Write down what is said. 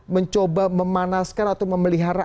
mencoba memanaskan atau memelihara